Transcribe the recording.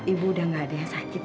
ibu udah gak ada yang sakit